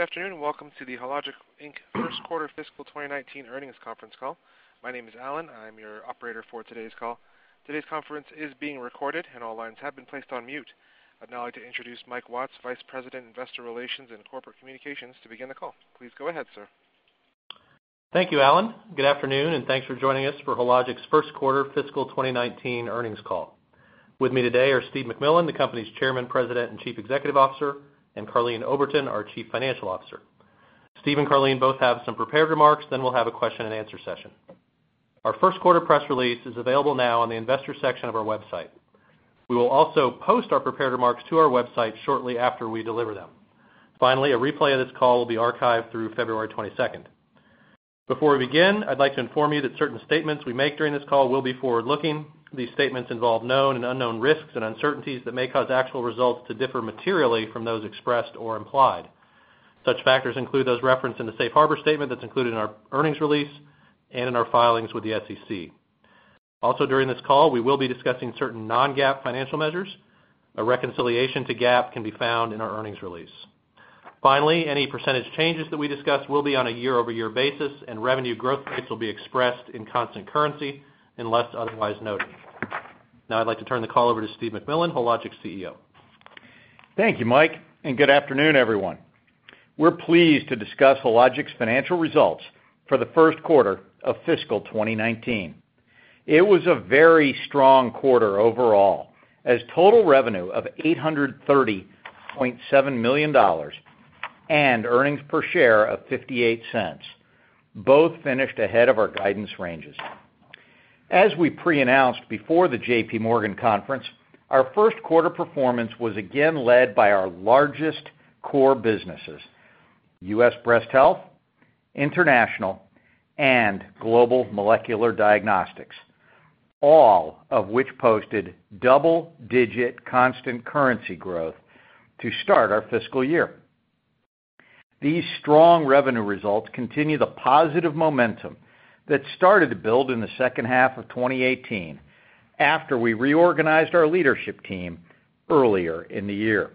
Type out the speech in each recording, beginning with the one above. Good afternoon. Welcome to the Hologic Inc. First Quarter Fiscal 2019 Earnings Conference Call. My name is Alan. I am your operator for today's call. Today's conference is being recorded, and all lines have been placed on mute. I'd now like to introduce Mike Watts, Vice President, Investor Relations and Corporate Communications, to begin the call. Please go ahead, sir. Thank you, Alan. Good afternoon, and thanks for joining us for Hologic's First Quarter Fiscal 2019 Earnings Call. With me today are Steve MacMillan, the company's Chairman, President, and Chief Executive Officer, and Karleen Oberton, our Chief Financial Officer. Steve and Karleen both have some prepared remarks. We'll have a question and answer session. Our first quarter press release is available now on the investors section of our website. We will also post our prepared remarks to our website shortly after we deliver them. A replay of this call will be archived through February 22nd. Before we begin, I'd like to inform you that certain statements we make during this call will be forward-looking. These statements involve known and unknown risks and uncertainties that may cause actual results to differ materially from those expressed or implied. Such factors include those referenced in the safe harbor statement that's included in our earnings release and in our filings with the SEC. Also during this call, we will be discussing certain non-GAAP financial measures. A reconciliation to GAAP can be found in our earnings release. Finally any percentage changes that we discuss will be on a year-over-year basis, and revenue growth rates will be expressed in constant currency unless otherwise noted. I'd like to turn the call over to Steve MacMillan, Hologic's CEO. Thank you, Mike, and good afternoon, everyone. We're pleased to discuss Hologic's Financial Results for the First Quarter of Fiscal 2019. It was a very strong quarter overall, as total revenue of $830.7 million and earnings per share of $0.58 both finished ahead of our guidance ranges. As we pre-announced before the JPMorgan Conference, our first quarter performance was again led by our largest core businesses: US Breast Health, International, and Global Molecular Diagnostics, all of which posted double-digit constant currency growth to start our fiscal year. These strong revenue results continue the positive momentum that started to build in the second half of 2018 after we reorganized our leadership team earlier in the year.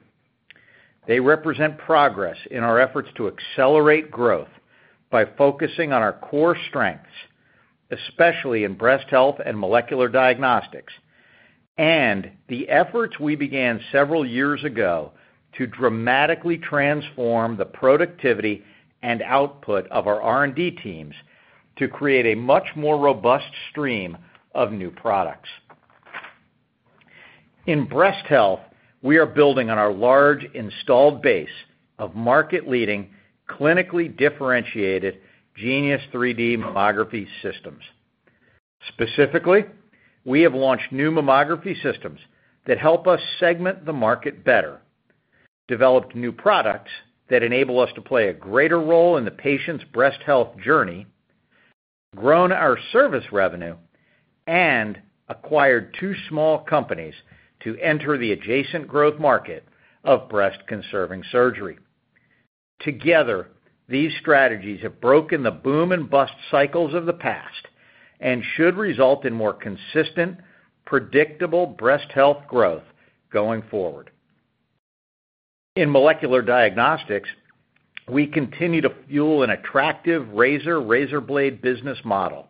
They represent progress in our efforts to accelerate growth by focusing on our core strengths, especially in Breast Health and Molecular Diagnostics, and the efforts we began several years ago to dramatically transform the productivity and output of our R&D teams to create a much more robust stream of new products. In Breast Health, we are building on our large installed base of market-leading, clinically differentiated Genius 3D Mammography systems. Specifically, we have launched new mammography systems that help us segment the market better, developed new products that enable us to play a greater role in the patient's breast health journey, grown our service revenue, and acquired two small companies to enter the adjacent growth market of breast-conserving surgery. Together, these strategies have broken the boom and bust cycles of the past and should result in more consistent, predictable Breast Health growth going forward. In Molecular Diagnostics, we continue to fuel an attractive razor-razor blade business model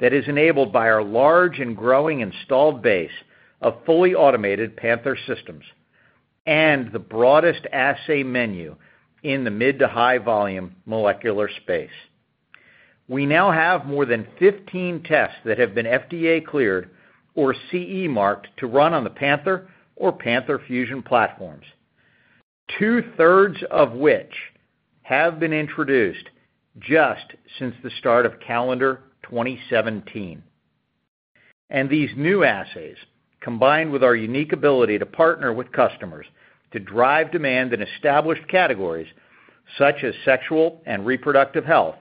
that is enabled by our large and growing installed base of fully automated Panther systems and the broadest assay menu in the mid to high volume molecular space. We now have more than 15 tests that have been FDA cleared or CE marked to run on the Panther or Panther Fusion platforms, 2/3 of which have been introduced just since the start of calendar 2017. These new assays, combined with our unique ability to partner with customers to drive demand in established categories such as sexual and reproductive health,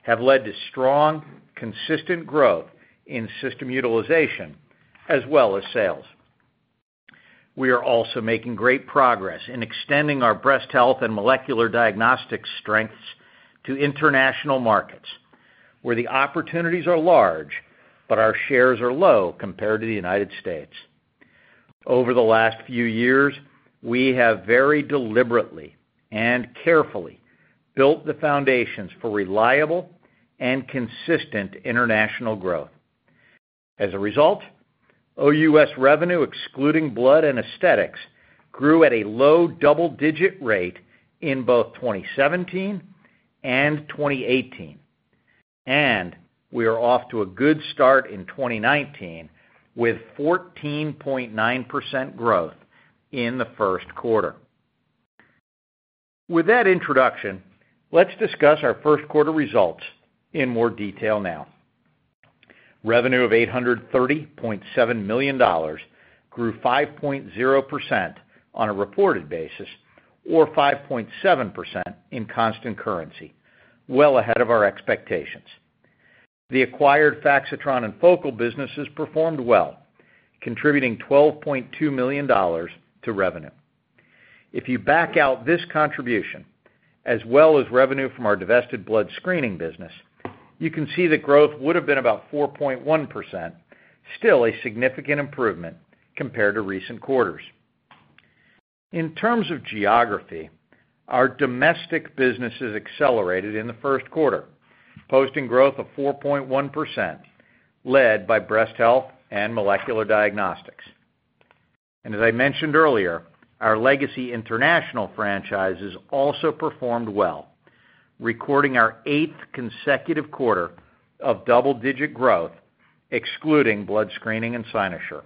have led to strong, consistent growth in system utilization as well as sales. We are also making great progress in extending our breast health and molecular diagnostics strengths to international markets, where the opportunities are large, but our shares are low compared to the U.S. Over the last few years, we have very deliberately and carefully built the foundations for reliable and consistent international growth. As a result, OUS revenue, excluding blood and aesthetics, grew at a low double-digit rate in both 2017 and 2018, and we are off to a good start in 2019 with 14.9% growth in the first quarter. With that introduction, let's discuss our first quarter results in more detail now. Revenue of $830.7 million grew 5.0% on a reported basis, or 5.7% in constant currency, well ahead of our expectations. The acquired Faxitron and Focal businesses performed well, contributing $12.2 million to revenue. If you back out this contribution, as well as revenue from our divested blood screening business, you can see that growth would have been about 4.1%. Still a significant improvement compared to recent quarters. In terms of geography, our domestic business is accelerated in the first quarter, posting growth of 4.1%, led by Breast Health and Molecular Diagnostics. As I mentioned earlier, our legacy international franchises also performed well, recording our eighth consecutive quarter of double-digit growth excluding blood screening and Cynosure.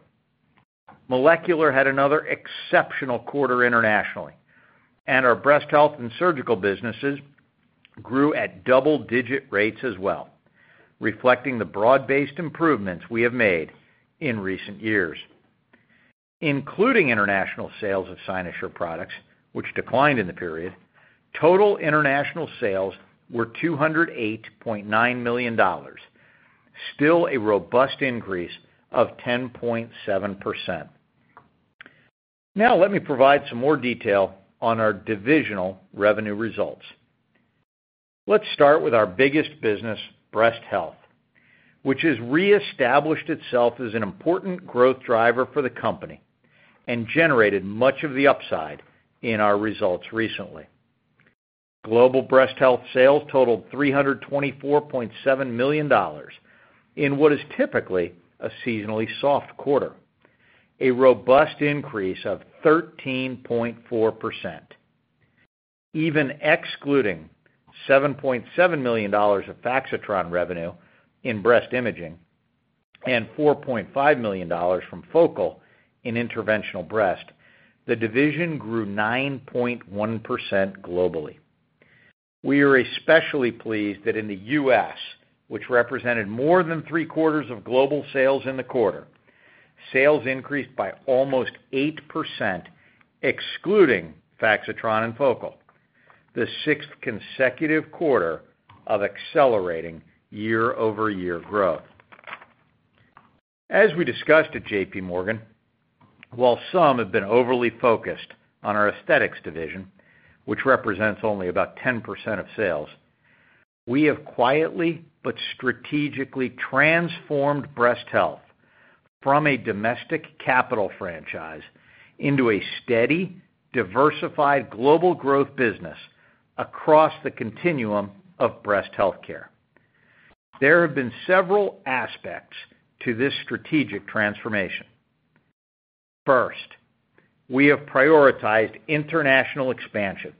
Molecular had another exceptional quarter internationally, and our Breast Health and Surgical businesses grew at double-digit rates as well, reflecting the broad-based improvements we have made in recent years. Including international sales of Cynosure products, which declined in the period, total international sales were $208.9 million, still a robust increase of 10.7%. Let me provide some more detail on our divisional revenue results. Let's start with our biggest business, Breast Health, which has reestablished itself as an important growth driver for the company and generated much of the upside in our results recently. Global Breast Health sales totaled $324.7 million in what is typically a seasonally soft quarter, a robust increase of 13.4%. Even excluding $7.7 million of Faxitron revenue in breast imaging and $4.5 million from Focal in interventional breast, the division grew 9.1% globally. We are especially pleased that in the U.S., which represented more than three-quarters of global sales in the quarter, sales increased by almost 8%, excluding Faxitron and Focal, the sixth consecutive quarter of accelerating year-over-year growth. As we discussed at JPMorgan, while some have been overly focused on our aesthetics division, which represents only about 10% of sales, we have quietly but strategically transformed Breast Health from a domestic capital franchise into a steady, diversified global growth business across the continuum of breast healthcare. There have been several aspects to this strategic transformation. First, we have prioritized international expansion,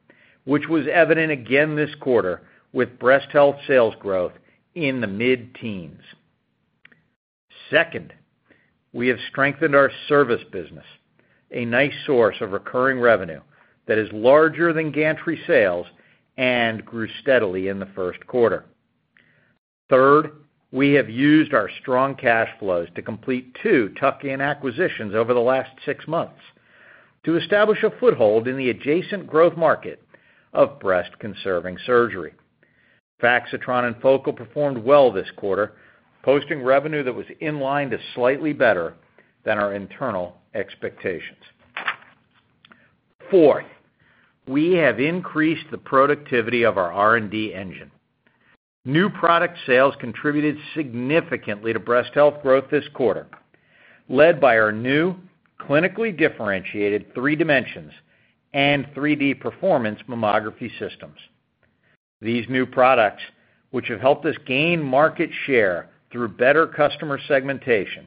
which was evident again this quarter with Breast Health sales growth in the mid-teens. Second, we have strengthened our service business, a nice source of recurring revenue that is larger than gantry sales and grew steadily in the first quarter. Third, we have used our strong cash flows to complete two tuck-in acquisitions over the last six months to establish a foothold in the adjacent growth market of breast conserving surgery. Faxitron and Focal performed well this quarter, posting revenue that was in line to slightly better than our internal expectations. Fourth, we have increased the productivity of our R&D engine. New product sales contributed significantly to Breast Health growth this quarter, led by our new clinically differentiated 3Dimensions and 3D performance mammography systems. These new products, which have helped us gain market share through better customer segmentation,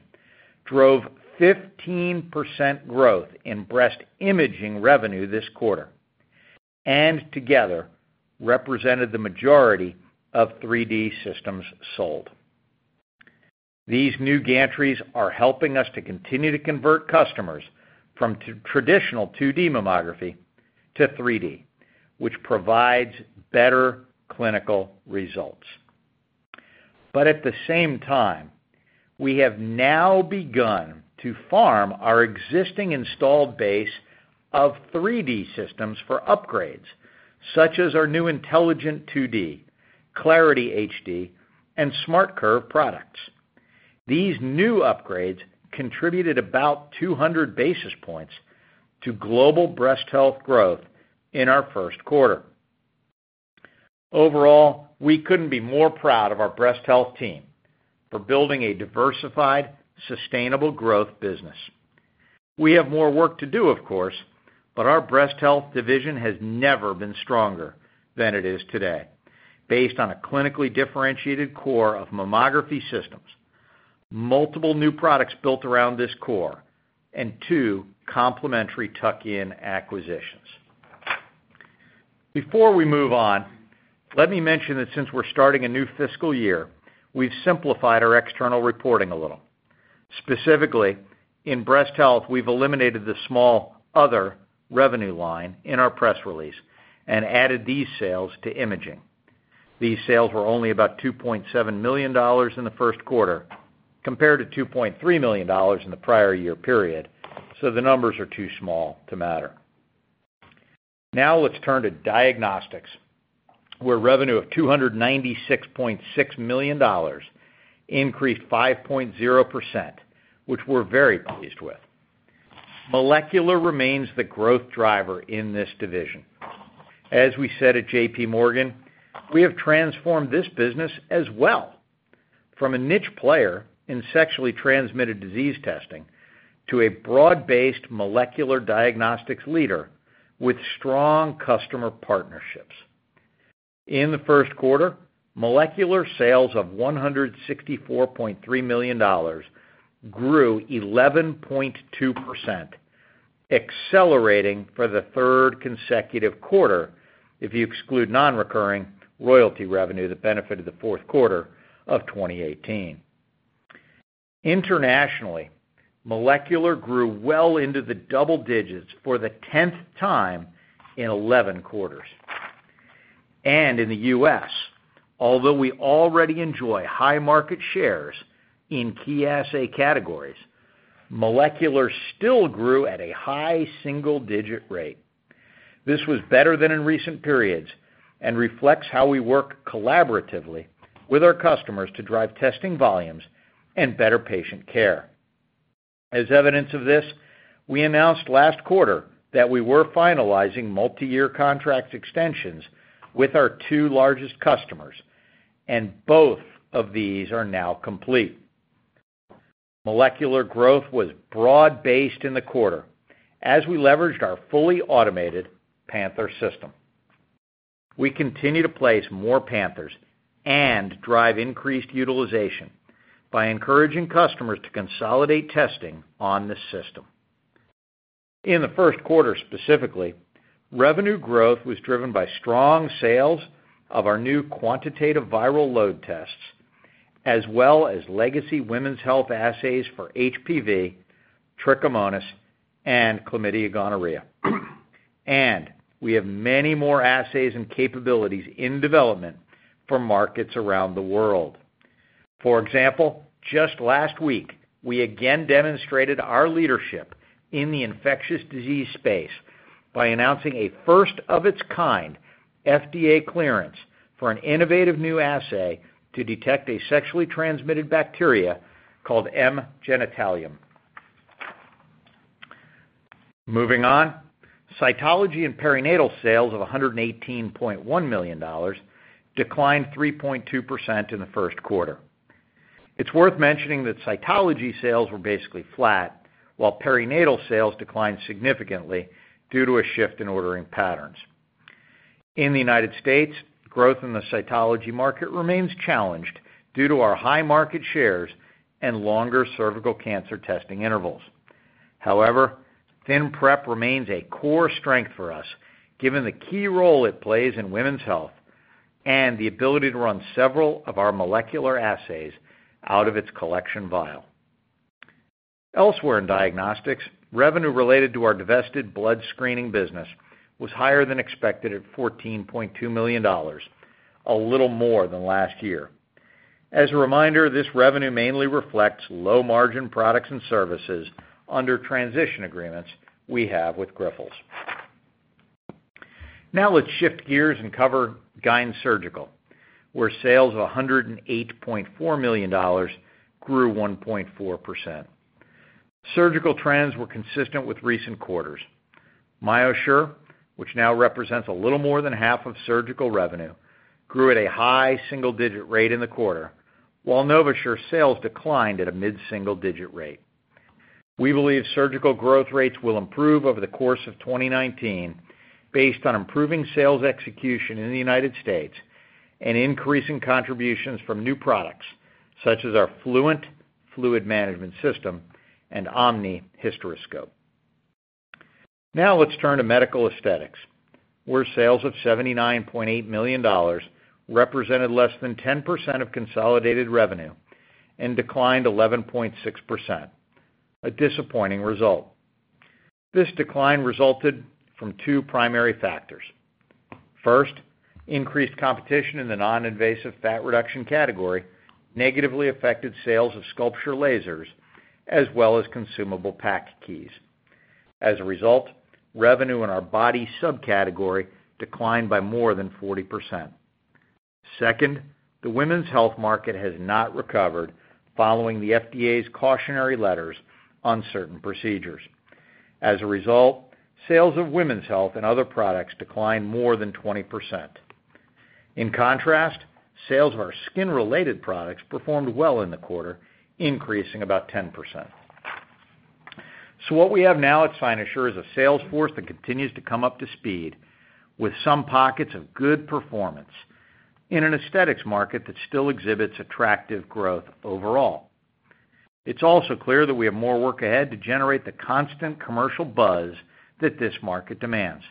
drove 15% growth in breast imaging revenue this quarter, and together represented the majority of 3D systems sold. These new gantries are helping us to continue to convert customers from traditional 2D mammography to 3D, which provides better clinical results. But at the same time, we have now begun to farm our existing installed base of 3D systems for upgrades, such as our new Intelligent 2D, Clarity HD, and SmartCurve products. These new upgrades contributed about 200 basis points to global Breast Health growth in our first quarter. Overall, we couldn't be more proud of our Breast Health team for building a diversified, sustainable growth business. We have more work to do, of course, our Breast Health division has never been stronger than it is today, based on a clinically differentiated core of mammography systems, multiple new products built around this core, and two complementary tuck-in acquisitions. Before we move on, let me mention that since we're starting a new fiscal year, we've simplified our external reporting a little. Specifically, in Breast Health, we've eliminated the small other revenue line in our press release and added these sales to imaging. These sales were only about $2.7 million in the first quarter compared to $2.3 million in the prior year period, the numbers are too small to matter. Let's turn to Diagnostics, where revenue of $296.6 million increased 5.0%, which we're very pleased with. Molecular remains the growth driver in this division. As we said at JPMorgan, we have transformed this business as well from a niche player in sexually transmitted disease testing to a broad-based molecular diagnostics leader with strong customer partnerships. In the first quarter, Molecular sales of $164.3 million grew 11.2%, accelerating for the third consecutive quarter, if you exclude non-recurring royalty revenue that benefited the fourth quarter of 2018. Internationally, Molecular grew well into the double digits for the 10th time in 11 quarters. And in the U.S., although we already enjoy high market shares in key assay categories, Molecular still grew at a high single-digit rate. This was better than in recent periods and reflects how we work collaboratively with our customers to drive testing volumes and better patient care. As evidence of this, we announced last quarter that we were finalizing multi-year contract extensions with our two largest customers, and both of these are now complete. Molecular growth was broad-based in the quarter as we leveraged our fully automated Panther system. We continue to place more Panthers and drive increased utilization by encouraging customers to consolidate testing on the system. In the first quarter, specifically, revenue growth was driven by strong sales of our new quantitative viral load tests, as well as legacy women's health assays for HPV, Trichomonas, and chlamydia gonorrhea. We have many more assays and capabilities in development for markets around the world. For example, just last week, we again demonstrated our leadership in the infectious disease space by announcing a first-of-its-kind FDA clearance for an innovative new assay to detect a sexually transmitted bacteria called M. genitalium. Moving on, Cytology and Perinatal sales of $118.1 million declined 3.2% in the first quarter. It's worth mentioning that Cytology sales were basically flat, while Perinatal sales declined significantly due to a shift in ordering patterns. In the United States, growth in the Cytology market remains challenged due to our high market shares and longer cervical cancer testing intervals. However ThinPrep remains a core strength for us, given the key role it plays in women's health and the ability to run several of our molecular assays out of its collection vial. Elsewhere in Diagnostics, revenue related to our divested blood screening business was higher than expected at $14.2 million, a little more than last year. As a reminder, this revenue mainly reflects low-margin products and services under transition agreements we have with Grifols. Let's shift gears and cover GYN Surgical, where sales of $108.4 million grew 1.4%. Surgical trends were consistent with recent quarters. MyoSure, which now represents a little more than half of surgical revenue, grew at a high single-digit rate in the quarter, while NovaSure sales declined at a mid-single-digit rate. We believe surgical growth rates will improve over the course of 2019 based on improving sales execution in the United States and increasing contributions from new products, such as our Fluent Fluid Management System and Omni Hysteroscope. Let's turn to Medical Aesthetics, where sales of $79.8 million represented less than 10% of consolidated revenue and declined 11.6%, a disappointing result. This decline resulted from two primary factors. First, increased competition in the non-invasive fat reduction category negatively affected sales of SculpSure lasers as well as consumable PAC Keys. As a result, revenue in our body subcategory declined by more than 40%. Second, the women's health market has not recovered following the FDA's cautionary letters on certain procedures. As a result sales of women's health and other products declined more than 20%. In contrast sales of our skin-related products performed well in the quarter, increasing about 10%. What we have now at Cynosure is a sales force that continues to come up to speed with some pockets of good performance in an aesthetics market that still exhibits attractive growth overall. It is also clear that we have more work ahead to generate the constant commercial buzz that this market demands.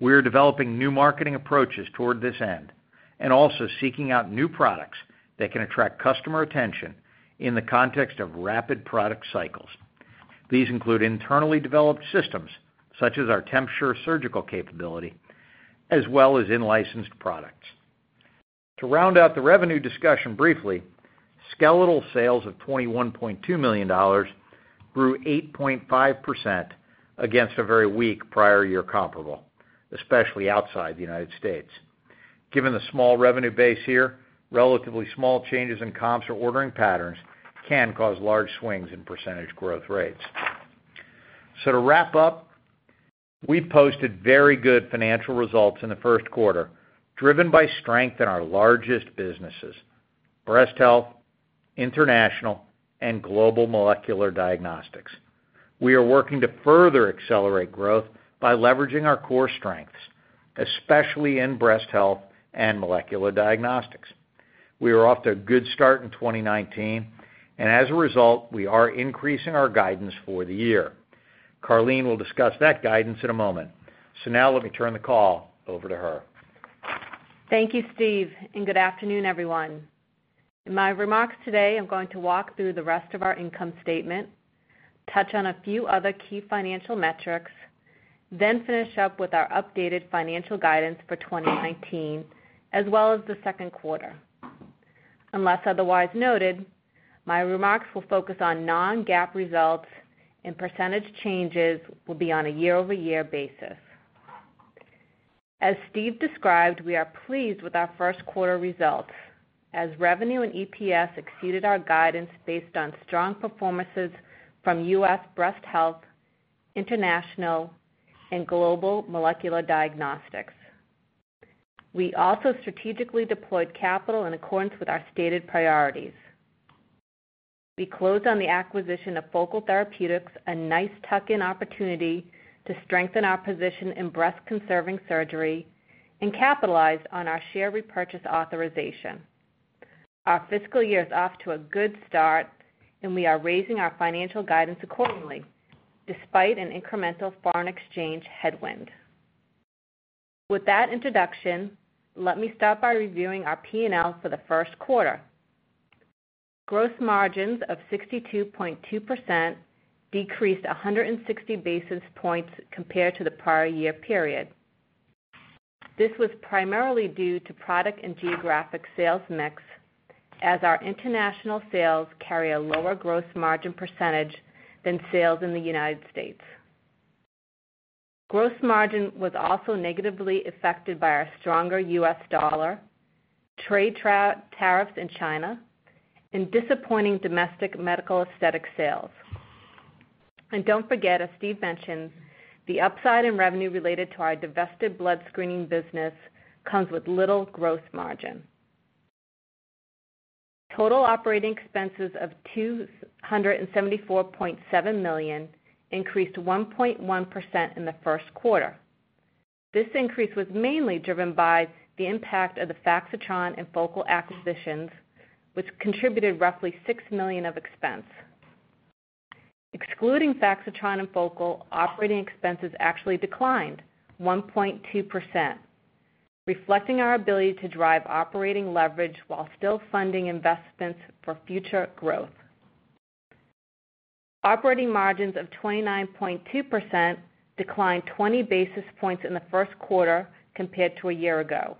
We are developing new marketing approaches toward this end and also seeking out new products that can attract customer attention in the context of rapid product cycles. These include internally developed systems, such as our TempSure surgical capability, as well as in-licensed products. To round out the revenue discussion briefly. Skeletal sales of $21.2 million grew 8.5% against a very weak prior year comparable, especially outside the United States. Given the small revenue base here, relatively small changes in comps or ordering patterns can cause large swings in percentage growth rates. To wrap up, we posted very good financial results in the first quarter, driven by strength in our largest businesses, Breast Health, International, and Global Molecular Diagnostics. We are working to further accelerate growth by leveraging our core strengths, especially in Breast Health and Molecular Diagnostics. We are off to a good start in 2019, and as a result, we are increasing our guidance for the year. Karleen will discuss that guidance in a moment. Now let me turn the call over to her. Thank you, Steve, and good afternoon, everyone. In my remarks today, I am going to walk through the rest of our income statement, touch on a few other key financial metrics, then finish up with our updated financial guidance for 2019, as well as the second quarter. Unless otherwise noted, my remarks will focus on non-GAAP results, and percentage changes will be on a year-over-year basis. As Steve described we are pleased with our first quarter results, as revenue and EPS exceeded our guidance based on strong performances from US Breast Health, International, and Global Molecular Diagnostics. We also strategically deployed capital in accordance with our stated priorities. We closed on the acquisition of Focal Therapeutics, a nice tuck-in opportunity to strengthen our position in breast-conserving surgery and capitalize on our share repurchase authorization. Our fiscal year is off to a good start, and we are raising our financial guidance accordingly, despite an incremental foreign exchange headwind. With that introduction, let me start by reviewing our P&L for the first quarter. Gross margins of 62.2% decreased 160 basis points compared to the prior year period. This was primarily due to product and geographic sales mix, as our international sales carry a lower gross margin percentage than sales in the United States. Gross margin was also negatively affected by our stronger Us dollar, trade tariffs in China, and disappointing domestic Medical Aesthetics sales. Don't forget, as Steve mentioned, the upside in revenue related to our divested blood screening business comes with little gross margin. Total operating expenses of $274.7 million increased 1.1% in the first quarter. This increase was mainly driven by the impact of the Faxitron and Focal acquisitions, which contributed roughly $6 million of expense. Excluding Faxitron and Focal, operating expenses actually declined 1.2%, reflecting our ability to drive operating leverage while still funding investments for future growth. Operating margins of 29.2% declined 20 basis points in the first quarter compared to a year ago,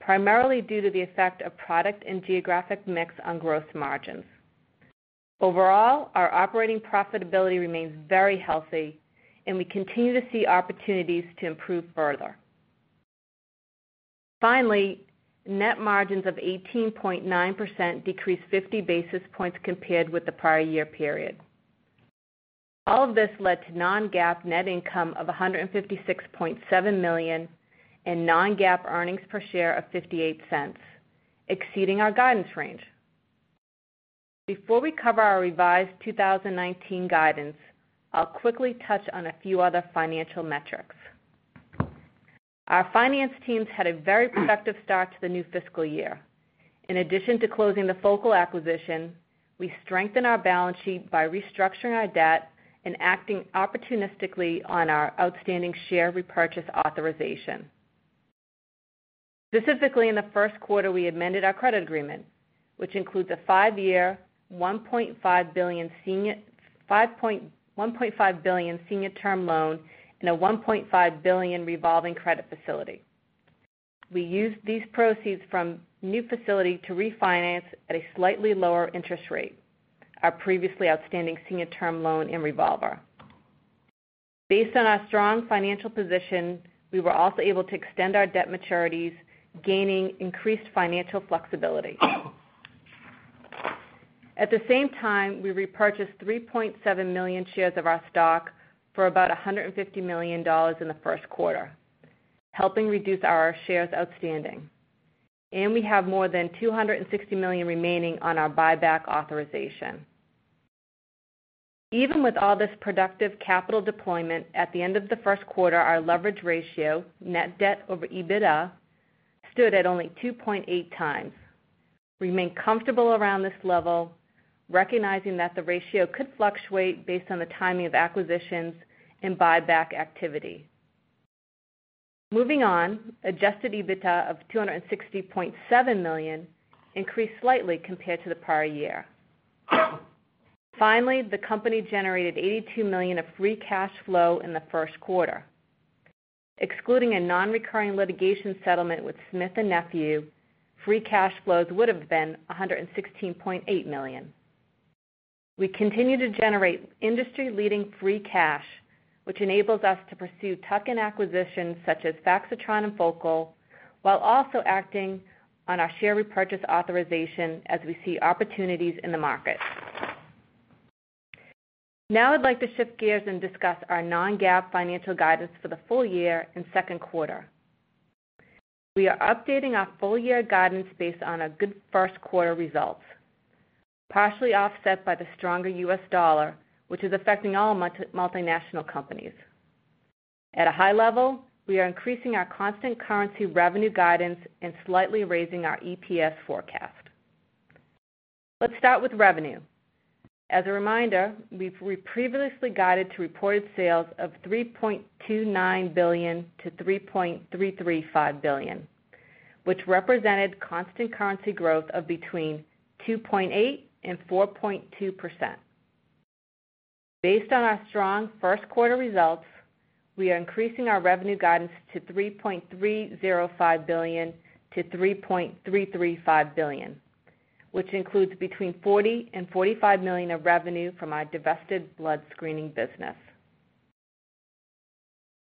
primarily due to the effect of product and geographic mix on gross margins. Overall, our operating profitability remains very healthy, and we continue to see opportunities to improve further. Finally, net margins of 18.9% decreased 50 basis points compared with the prior year period. All of this led to non-GAAP net income of $156.7 million and non-GAAP earnings per share of $0.58, exceeding our guidance range. Before we cover our revised 2019 guidance, I'll quickly touch on a few other financial metrics. Our finance teams had a very productive start to the new fiscal year. In addition to closing the Focal acquisition, we strengthened our balance sheet by restructuring our debt and acting opportunistically on our outstanding share repurchase authorization. Specifically, in the first quarter, we amended our credit agreement, which includes a five-year, $1.5 billion senior term loan and a $1.5 billion revolving credit facility. We used these proceeds from new facility to refinance at a slightly lower interest rate, our previously outstanding senior term loan and revolver. Based on our strong financial position, we were also able to extend our debt maturities, gaining increased financial flexibility. At the same time, we repurchased 3.7 million shares of our stock for about $150 million in the first quarter, helping reduce our shares outstanding. We have more than $260 million remaining on our buyback authorization. Even with all this productive capital deployment, at the end of the first quarter, our leverage ratio, net debt over EBITDA, stood at only 2.8x. We remain comfortable around this level, recognizing that the ratio could fluctuate based on the timing of acquisitions and buyback activity. Moving on, Adjusted EBITDA of $260.7 million increased slightly compared to the prior year. Finally, the company generated $82 million of free cash flow in the first quarter. Excluding a non-recurring litigation settlement with Smith & Nephew, free cash flows would have been $116.8 million. We continue to generate industry-leading free cash, which enables us to pursue tuck-in acquisitions such as Faxitron and Focal, while also acting on our share repurchase authorization as we see opportunities in the market. Now I'd like to shift gears and discuss our non-GAAP financial guidance for the full year and second quarter. We are updating our full year guidance based on our good first quarter results, partially offset by the stronger US dollar, which is affecting all multinational companies. At a high level, we are increasing our constant currency revenue guidance and slightly raising our EPS forecast. Let's start with revenue. As a reminder, we previously guided to reported sales of $3.29 billion-$3.335 billion, which represented constant currency growth of between 2.8% and 4.2%. Based on our strong first quarter results, we are increasing our revenue guidance to $3.305 billion-$3.335 billion, which includes between $40 million and $45 million of revenue from our divested blood screening business.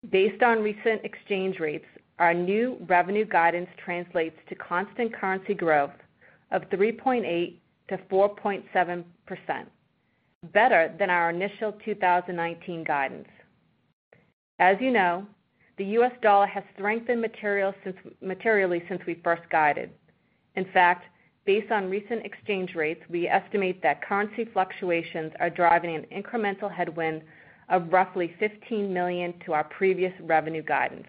Based on recent exchange rates, our new revenue guidance translates to constant currency growth of 3.8%-4.7%, better than our initial 2019 guidance. As you know, the US dollar has strengthened materially since we first guided. In fact, based on recent exchange rates, we estimate that currency fluctuations are driving an incremental headwind of roughly $15 million to our previous revenue guidance.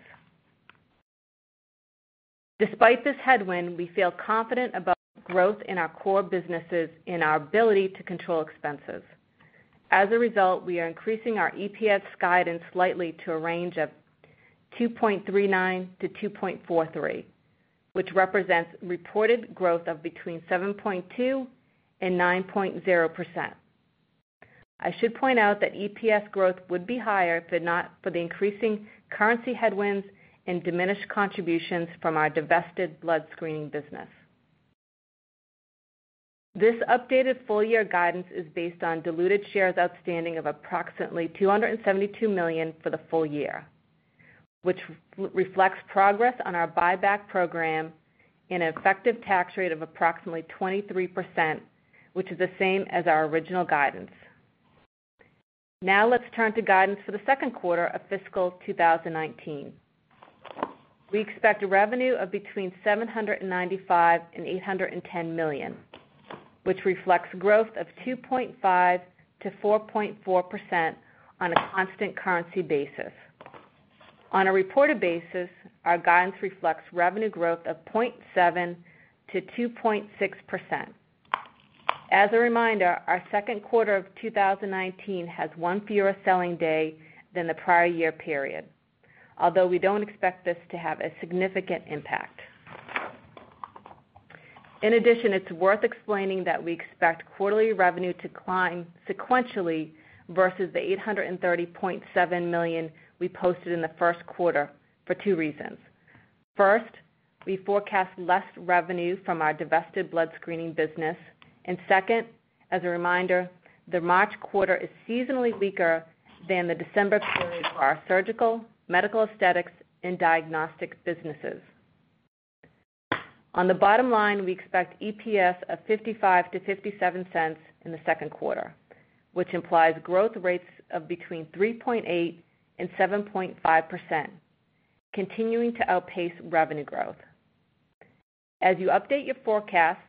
Despite this headwind, we feel confident about growth in our core businesses and our ability to control expenses. As a result, we are increasing our EPS guidance slightly to a range of $2.39-$2.43, which represents reported growth of between 7.2%-9.0%. I should point out that EPS growth would be higher if not for the increasing currency headwinds and diminished contributions from our divested blood screening business. This updated full year guidance is based on diluted shares outstanding of approximately 272 million for the full year, which reflects progress on our buyback program and an effective tax rate of approximately 23%, which is the same as our original guidance. Let's turn to guidance for the second quarter of fiscal 2019. We expect a revenue of between $795 million-$810 million, which reflects growth of 2.5%-4.4% on a constant currency basis. On a reported basis, our guidance reflects revenue growth of 0.7%-2.6%. As a reminder, our second quarter of 2019 has one fewer selling day than the prior year period. Although we don't expect this to have a significant impact. In addition, it's worth explaining that we expect quarterly revenue to climb sequentially versus the $830.7 million we posted in the first quarter for two reasons. First, we forecast less revenue from our divested blood screening business. Second, as a reminder, the March quarter is seasonally weaker than the December period for our surgical, Medical Aesthetics, and Diagnostic businesses. On the bottom line, we expect EPS of $0.55-$0.57 in the second quarter, which implies growth rates of between 3.8%-7.5%, continuing to outpace revenue growth. As you update your forecasts,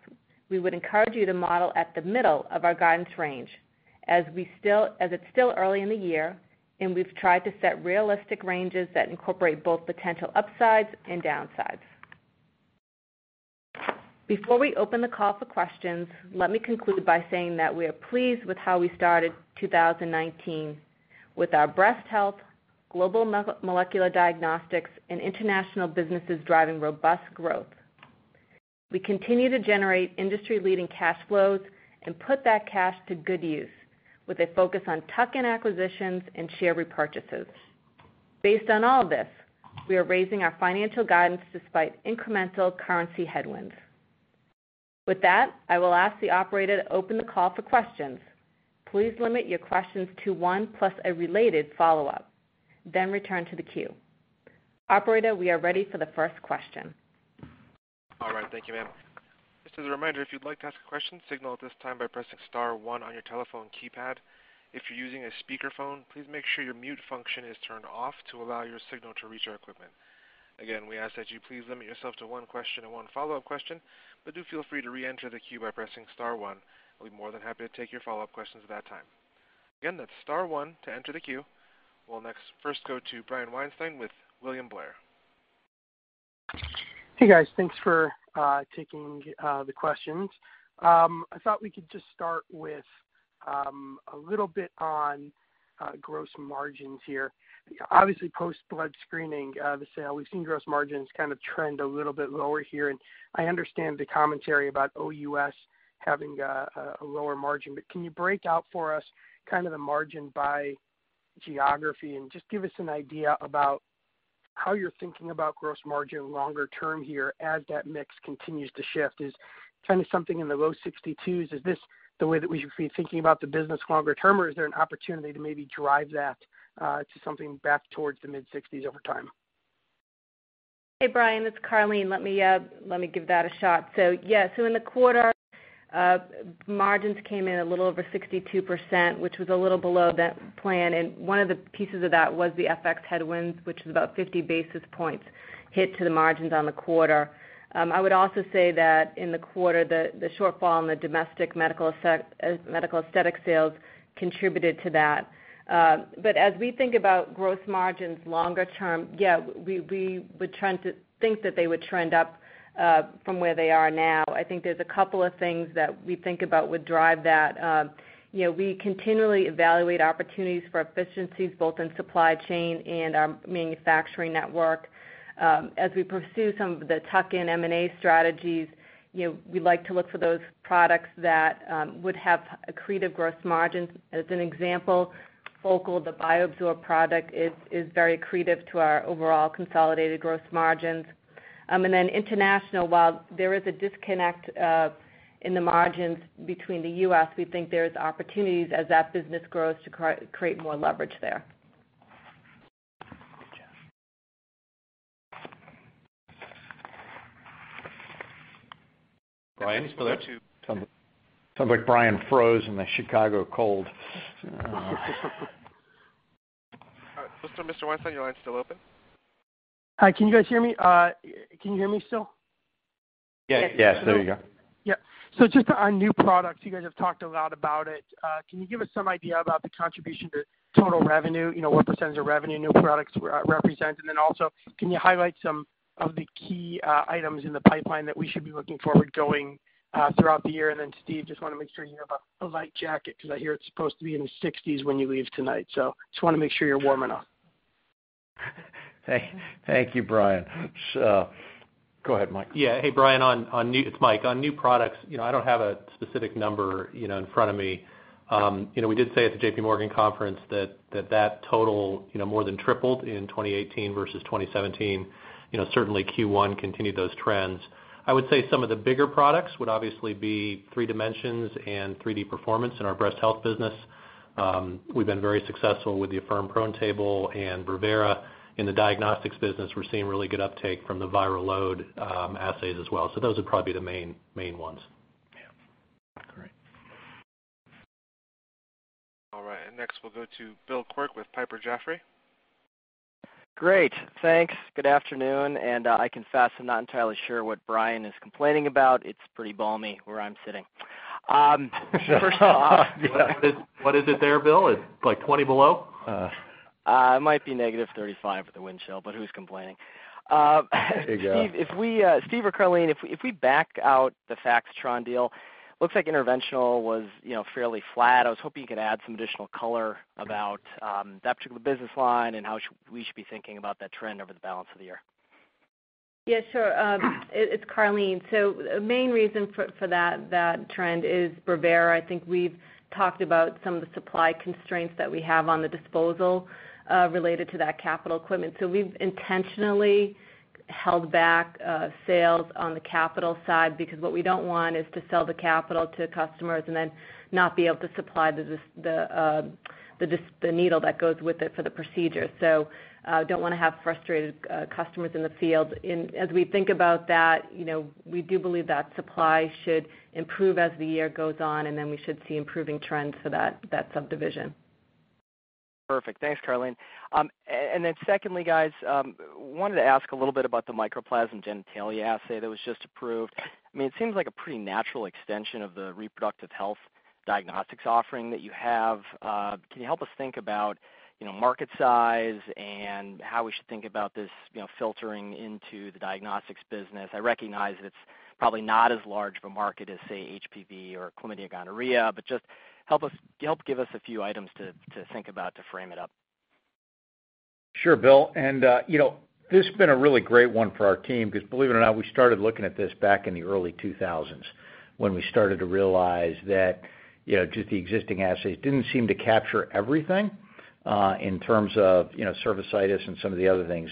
we would encourage you to model at the middle of our guidance range, as it's still early in the year and we've tried to set realistic ranges that incorporate both potential upsides and downsides. Before we open the call for questions, let me conclude by saying that we are pleased with how we started 2019 with our Breast Health, Global Molecular Diagnostics, and International businesses driving robust growth. We continue to generate industry-leading cash flows and put that cash to good use with a focus on tuck-in acquisitions and share repurchases. Based on all of this, we are raising our financial guidance despite incremental currency headwinds. With that, I will ask the operator to open the call for questions. Please limit your questions to one plus a related follow-up, then return to the queue. Operator, we are ready for the first question. All right. Thank you, ma'am. Just as a reminder, if you'd like to ask a question, signal at this time by pressing star one on your telephone keypad. If you're using a speakerphone, please make sure your mute function is turned off to allow your signal to reach our equipment. Again, we ask that you please limit yourself to one question and one follow-up question, but do feel free to reenter the queue by pressing star one. I'll be more than happy to take your follow-up questions at that time. Again, that's star one to enter the queue. We'll next first go to Brian Weinstein with William Blair. Hey, guys. Thanks for taking the questions. I thought we could just start with a little bit on gross margins here. Obviously, post-blood screening, the sale, we've seen gross margins kind of trend a little bit lower here. I understand the commentary about OUS having a lower margin. Can you break out for us kind of the margin by geography and just give us an idea about how you're thinking about gross margin longer term here as that mix continues to shift is kind of something in the low 62%? Is this the way that we should be thinking about the business longer term or is there an opportunity to maybe drive that to something back towards the mid-60% over time? Hey, Brian, it's Karleen. Let me give that a shot. Yeah. In the quarter, margins came in a little over 62%, which was a little below that plan, and one of the pieces of that was the FX headwinds, which was about 50 basis points hit to the margins on the quarter. And I would also say that in the quarter, the shortfall in the domestic Medical Aesthetic sales contributed to that. As we think about gross margins longer term, yeah, we would think that they would trend up, from where they are now. I think there's a couple of things that we think about would drive that. We continually evaluate opportunities for efficiencies both in supply chain and our manufacturing network. As we pursue some of the tuck-in M&A strategies, we like to look for those products that would have accretive gross margins. As an example, Focal, the bioabsorb product, is very accretive to our overall consolidated gross margins. International, while there is a disconnect, in the margins between the U.S., we think there's opportunities as that business grows to create more leverage there. Good job. Brian, still there? Sounds like Brian froze in the Chicago cold. All right. Mr. Weinstein, your line's still open. Hi, can you guys hear me? Can you hear me still? Yeah. There we go. Yeah. Just on new products, you guys have talked a lot about it. Can you give us some idea about the contribution to total revenue, what percentage of revenue new products represents? Also, can you highlight some of the key items in the pipeline that we should be looking forward going, throughout the year? And then Steve, just want to make sure you have a light jacket because I hear it's supposed to be in the 60s when you leave tonight, so just want to make sure you're warm enough. Thank you, Brian. Go ahead, Mike. Yeah. Hey, Brian, it's Mike. On new products, I don't have a specific number in front of me. We did say at the JPMorgan Conference that that total more than tripled in 2018 versus 2017. Certainly Q1 continued those trends. I would say some of the bigger products would obviously be 3Dimensions and 3D performance in our Breast Health business. We've been very successful with the Affirm Prone Table and Brevera. In the Diagnostics business, we're seeing really good uptake from the viral load assays as well. Those would probably be the main ones. Yeah. All right. All right. Next, we'll go to Bill Quirk with Piper Jaffray. Great. Thanks. Good afternoon. I confess I'm not entirely sure what Brian is complaining about. It's pretty balmy where I'm sitting. Yeah. What is it there, Bill? It's like 20 below? It might be negative 35 with the wind chill, but who's complaining? There you go. Steve or Karleen, if we back out the Faxitron deal, looks like interventional was fairly flat. I was hoping you could add some additional color about that particular business line and how we should be thinking about that trend over the balance of the year. Yeah, sure. It's Karleen. The main reason for that trend is Brevera. I think we've talked about some of the supply constraints that we have on the disposal related to that capital equipment. We've intentionally held back sales on the capital side because what we don't want is to sell the capital to customers and then not be able to supply the needle that goes with it for the procedure. Don't want to have frustrated customers in the field. As we think about that, we do believe that supply should improve as the year goes on, we should see improving trends for that subdivision. Perfect. Thanks, Karleen. Secondly, guys, wanted to ask a little bit about the Mycoplasma genitalium assay that was just approved. It seems like a pretty natural extension of the reproductive health diagnostics offering that you have. Can you help us think about market size and how we should think about this filtering into the Diagnostics business? I recognize that it's probably not as large of a market as, say, HPV or chlamydia gonorrhea, but just help give us a few items to think about to frame it up. Sure, Bill, this has been a really great one for our team because believe it or not, we started looking at this back in the early 2000s when we started to realize that just the existing assays didn't seem to capture everything, in terms of cervicitis and some of the other things.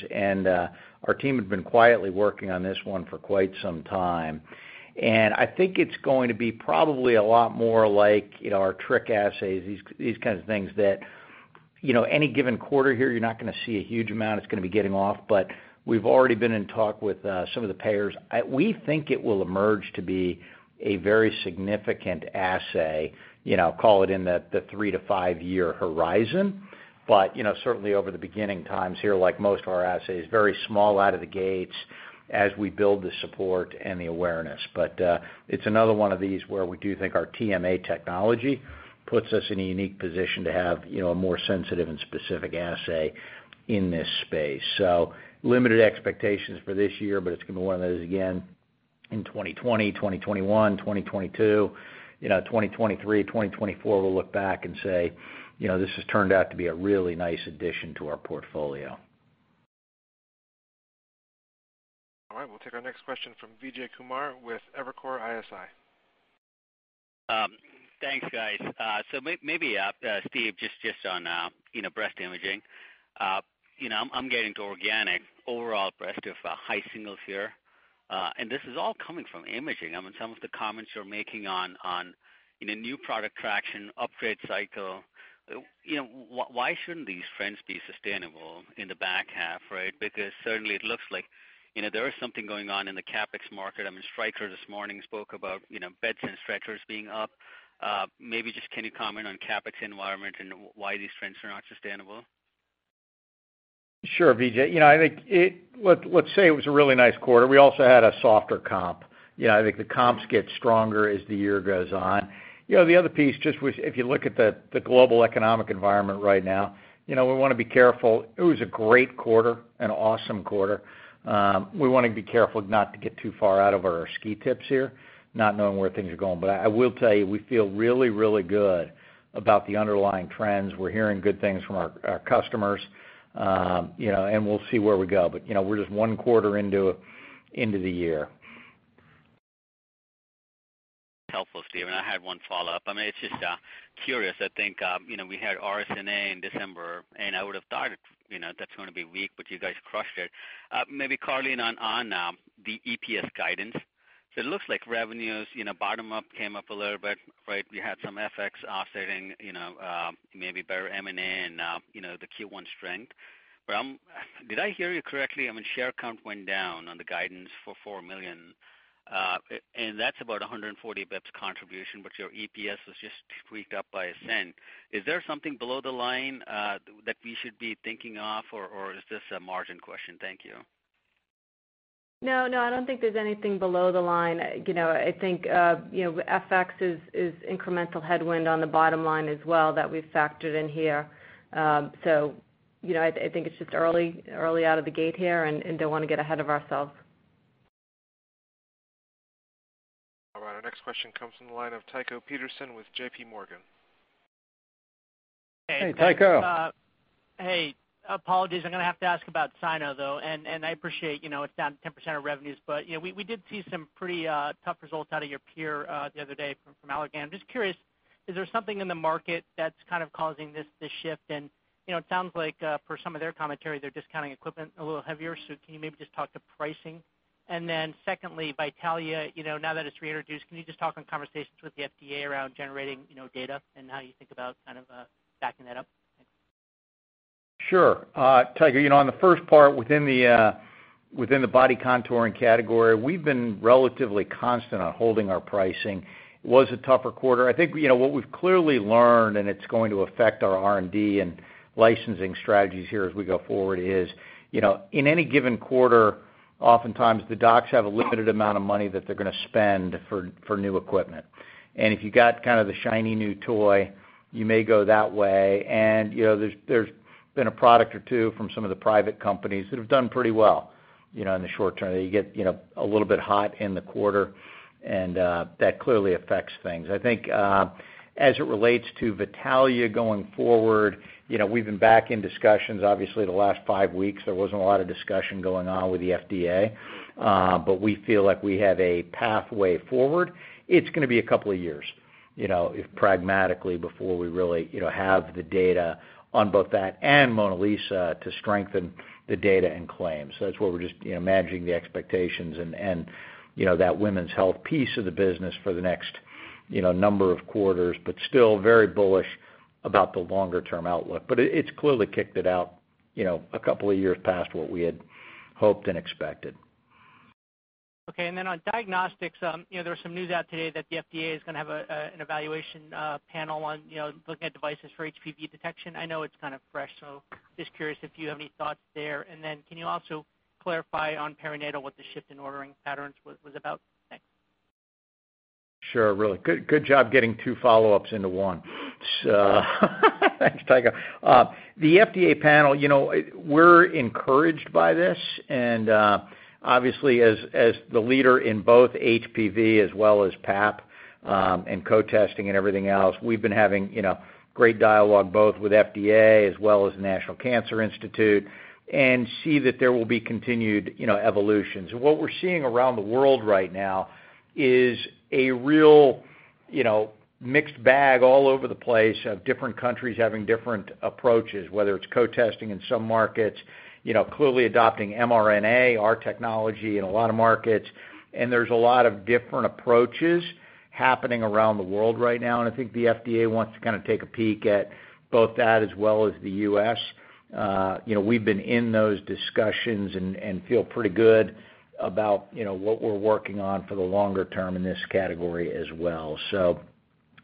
Our team had been quietly working on this one for quite some time. And I think it's going to be probably a lot more like our Trich assays, these kinds of things that any given quarter here, you're not going to see a huge amount. It's going to be getting off, but we've already been in talk with some of the payers. We think it will emerge to be a very significant assay, call it in the 3-5 year horizon. But certainly over the beginning times here, like most of our assays, very small out of the gates as we build the support and the awareness. It's another one of these where we do think our TMA technology puts us in a unique position to have a more sensitive and specific assay in this space. Limited expectations for this year, but it's going to be one of those again in 2020, 2021, 2022, 2023, 2024, we'll look back and say, "This has turned out to be a really nice addition to our portfolio. All right. We'll take our next question from Vijay Kumar with Evercore ISI. Thanks, guys. Maybe, Steve, just on breast imaging. I'm getting to organic overall breast of high singles here, and this is all coming from imaging. Some of the comments you're making on new product traction, upgrade cycle, why shouldn't these trends be sustainable in the back half, right? Because certainly it looks like there is something going on in the CapEx market. Stryker this morning spoke about beds and stretchers being up. Maybe just can you comment on CapEx environment and why these trends are not sustainable? Sure, Vijay. Let's say it was a really nice quarter. We also had a softer comp. I think the comps get stronger as the year goes on. The other piece, just if you look at the global economic environment right now, we want to be careful. It was a great quarter, an awesome quarter. We want to be careful not to get too far out of our ski tips here, not knowing where things are going. I will tell you, we feel really, really good about the underlying trends. We're hearing good things from our customers, and we'll see where we go. We're just one quarter into the year. Helpful, Steve. I had one follow-up. It's just curious, I think we had RSNA in December, and I would've thought that's going to be weak, but you guys crushed it. Maybe, Karleen, on the EPS guidance, it looks like revenues bottom up came up a little bit. You had some FX offsetting maybe better M&A and the Q1 strength. Did I hear you correctly? Share count went down on the guidance for four million. That's about 140 basis points contribution, your EPS was just tweaked up by $0.01. Is there something below the line that we should be thinking of, or is this a margin question? Thank you. No, I don't think there's anything below the line. I think FX is incremental headwind on the bottom line as well that we've factored in here. I think it's just early out of the gate here and don't want to get ahead of ourselves. All right, our next question comes from the line of Tycho Peterson with JPMorgan. Hey, Tycho. Hey, apologies, I'm going to have to ask about Cyno, though, and I appreciate it's down 10% of revenues, but we did see some pretty tough results out of your peer the other day from Allergan. I'm just curious, is there something in the market that's kind of causing this shift? It sounds like for some of their commentary, they're discounting equipment a little heavier. Can you maybe just talk to pricing? Secondly, Vitalia, now that it's reintroduced, can you just talk on conversations with the FDA around generating data and how you think about kind of backing that up? Thanks. Sure. Tycho, on the first part within the body contouring category, we've been relatively constant on holding our pricing. It was a tougher quarter. I think what we've clearly learned, and it's going to affect our R&D and licensing strategies here as we go forward, is in any given quarter, oftentimes the docs have a limited amount of money that they're going to spend for new equipment. And if you got kind of the shiny new toy, you may go that way, and there's been a product or two from some of the private companies that have done pretty well in the short term. You get a little bit hot in the quarter, and that clearly affects things. I think as it relates to Vitalia going forward, we've been back in discussions. Obviously, the last five weeks, there wasn't a lot of discussion going on with the FDA. We feel like we have a pathway forward. It's going to be a couple of years pragmatically before we really have the data on both that and MonaLisa to strengthen the data and claims. That's where we're just managing the expectations and that women's health piece of the business for the next number of quarters. Still very bullish about the longer term outlook. It's clearly kicked it out a couple of years past what we had hoped and expected. Okay. On Diagnostics, there was some news out today that the FDA is going to have an evaluation panel on looking at devices for HPV detection. I know it's kind of fresh, so just curious if you have any thoughts there. Can you also clarify on Perinatal what the shift in ordering patterns was about? Thanks. Sure. Really good job getting two follow-ups into one. Thanks, Tycho. The FDA panel, we're encouraged by this, and obviously as the leader in both HPV as well as Pap and co-testing and everything else, we've been having great dialogue both with FDA as well as the National Cancer Institute and see that there will be continued evolutions. What we're seeing around the world right now is a real mixed bag all over the place of different countries having different approaches, whether it's co-testing in some markets, clearly adopting mRNA, our technology in a lot of markets, and there's a lot of different approaches happening around the world right now, and I think the FDA wants to kind of take a peek at both that as well as the U.S. We've been in those discussions and feel pretty good about what we're working on for the longer term in this category as well.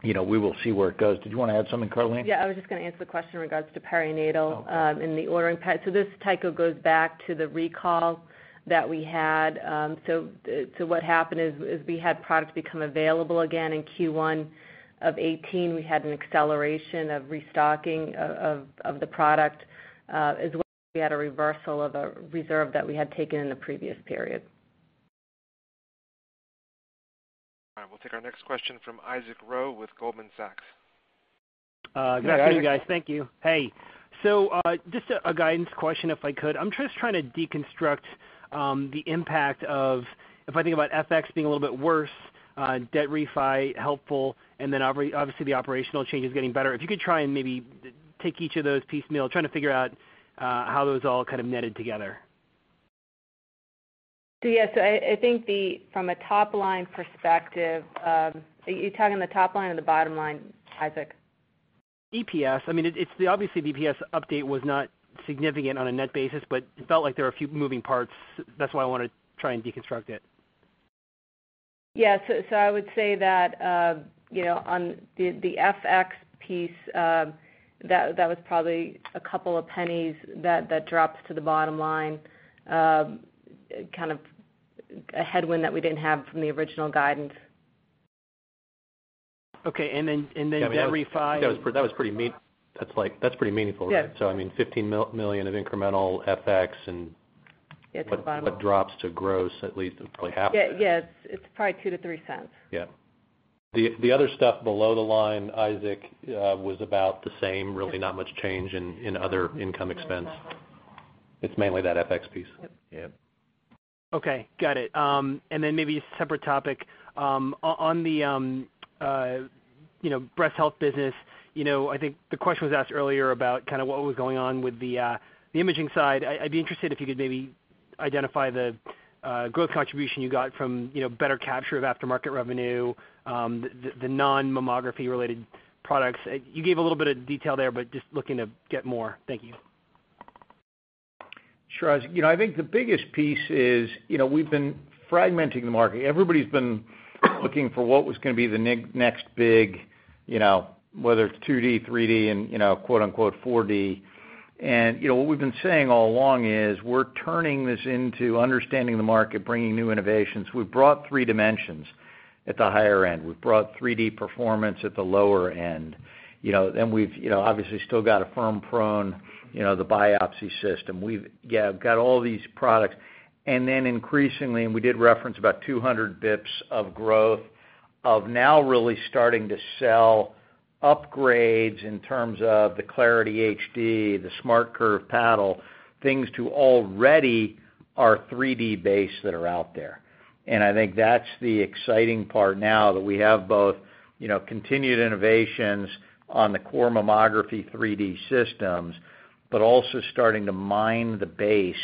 We will see where it goes. Did you want to add something, Karleen? Yeah, I was just going to answer the question in regards to perinatal in the ordering. This, Tycho, goes back to the recall that we had. What happened is we had products become available again in Q1 of 2018. We had an acceleration of restocking of the product, as well as we had a reversal of a reserve that we had taken in the previous period. All right. We'll take our next question from Isaac Ro with Goldman Sachs. Good afternoon, guys. Thank you. Hey. Just a guidance question, if I could. I'm just trying to deconstruct the impact of if I think about FX being a little bit worse, debt refi helpful, and then obviously the operational changes getting better. If you could try and maybe take each of those piecemeal. I'm trying to figure out how those all kind of netted together. Yes, I think from a top-line perspective. Are you talking the top line or the bottom line, Isaac? EPS. Obviously, the EPS update was not significant on a net basis, but it felt like there were a few moving parts. That's why I want to try and deconstruct it. Yeah. I would say that on the FX piece, that was probably a couple of pennies that dropped to the bottom line, kind of a headwind that we didn't have from the original guidance. Okay, debt refi. That was pretty meaningful, right? Yeah. $15 million of incremental FX. Yeah, at the bottom line it drops to gross at least probably half of that. Yeah. It's probably $0.02-$0.03. Yeah. The other stuff below the line, Isaac, was about the same, really not much change in other income expense. It's mainly that FX piece. Yep. Yeah. Okay, got it. Then maybe a separate topic. On the Breast Health business, I think the question was asked earlier about kind of what was going on with the imaging side. I'd be interested if you could maybe identify the growth contribution you got from better capture of aftermarket revenue, the non-mammography related products. You gave a little bit of detail there, but just looking to get more. Thank you. Sure. Isaac, I think the biggest piece is we've been fragmenting the market. Everybody's been looking for what was going to be the next big, whether it's 2D, 3D, and "4D". And what we've been saying all along is we're turning this into understanding the market, bringing new innovations. We've brought 3Dimensions at the higher end. We've brought 3D performance at the lower end. Then we've obviously still got Affirm Prone, the biopsy system. We've got all these products. Then increasingly, and we did reference about 200 basis points of growth of now really starting to sell upgrades in terms of the Clarity HD, the SmartCurve paddle, things to already our 3D base that are out there. And I think that's the exciting part now, that we have both continued innovations on the core mammography 3D systems, but also starting to mine the base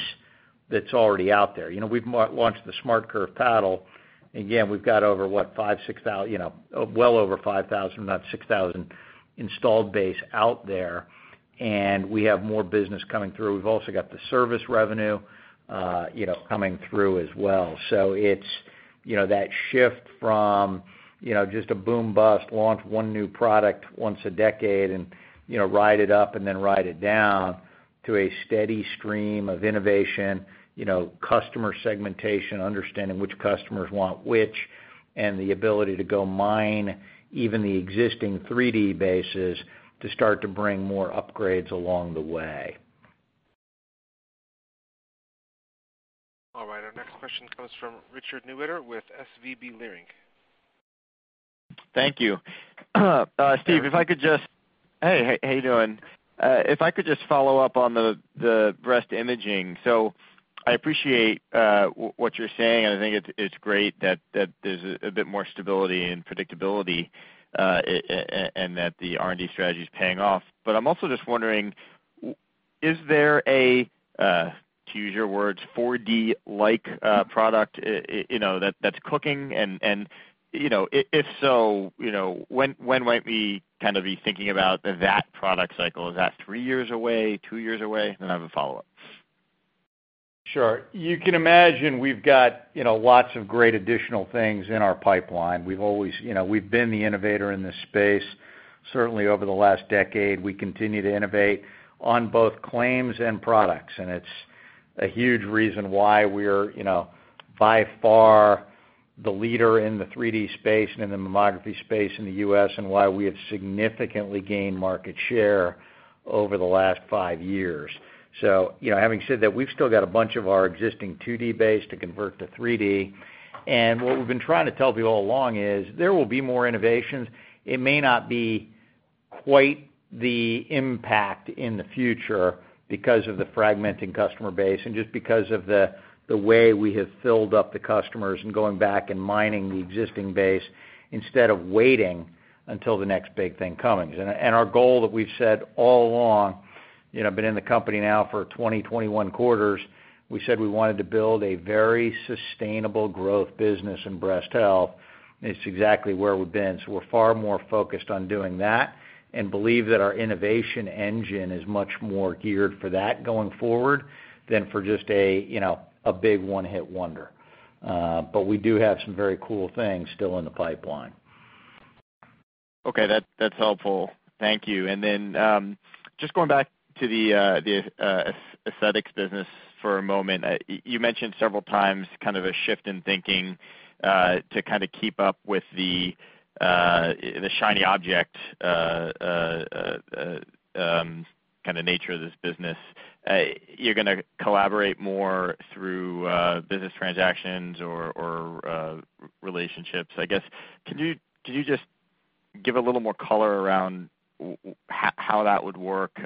that's already out there. We've launched the SmartCurve paddle. Again, we've got over what? Well over 5,000, if not 6,000 installed base out there, and we have more business coming through. We've also got the service revenue coming through as well. It's that shift from just a boom-bust, launch one new product once a decade and ride it up and then ride it down to a steady stream of innovation, customer segmentation, understanding which customers want which, and the ability to go mine even the existing 3D bases to start to bring more upgrades along the way. All right, our next question comes from Richard Newitter with SVB Leerink. Thank you. Steve, how you doing? If I could just follow up on the breast imaging. I appreciate what you're saying, and I think it's great that there's a bit more stability and predictability, and that the R&D strategy is paying off. I'm also just wondering, is there a, to use your words, 4D-like product that's cooking? If so, when might we kind of be thinking about that product cycle? Is that three years away, two years away? Then I have a follow-up. Sure. You can imagine we've got lots of great additional things in our pipeline. We've been the innovator in this space, certainly over the last decade. We continue to innovate on both claims and products, and it's a huge reason why we're by far the leader in the 3D space and in the mammography space in the U.S., and why we have significantly gained market share over the last five years. Having said that, we've still got a bunch of our existing 2D base to convert to 3D. What we've been trying to tell people all along is there will be more innovations. It may not be quite the impact in the future because of the fragmenting customer base and just because of the way we have filled up the customers and going back and mining the existing base instead of waiting until the next big thing comes. And our goal that we've said all along, been in the company now for 20-21 quarters, we said we wanted to build a very sustainable growth business in Breast Health, it's exactly where we've been. We're far more focused on doing that and believe that our innovation engine is much more geared for that going forward than for just a big one-hit wonder. We do have some very cool things still in the pipeline. Okay. That's helpful. Thank you. Just going back to the Aesthetics business for a moment. You mentioned several times kind of a shift in thinking to kind of keep up with the shiny object kind of nature of this business. You're going to collaborate more through business transactions or relationships. I guess, can you just give a little more color around how that would work,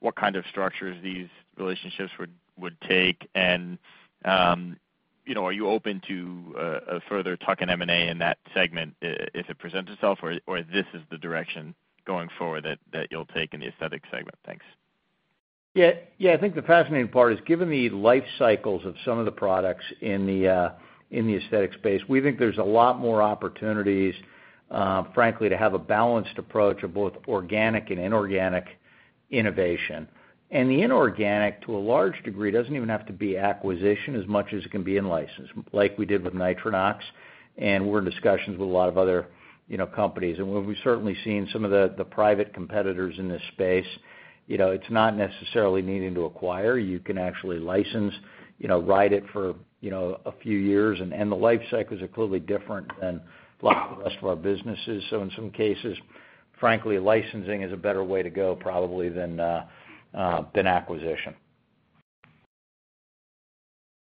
what kind of structures these relationships would take, and are you open to a further tuck-in M&A in that segment if it presents itself? Or this is the direction going forward that you'll take in the Aesthetic segment? Thanks. Yeah. I think the fascinating part is given the life cycles of some of the products in the Aesthetic space, we think there's a lot more opportunities, frankly, to have a balanced approach of both organic and inorganic innovation. The inorganic, to a large degree, doesn't even have to be acquisition as much as it can be in license, like we did with Nitronox, we're in discussions with a lot of other companies. We've certainly seen some of the private competitors in this space. It's not necessarily needing to acquire. You can actually license, ride it for a few years, and the life cycles are clearly different than a lot of the rest of our businesses. In some cases, frankly, licensing is a better way to go probably than acquisition.